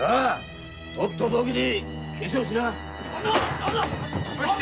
とっとと起きて化粧しな！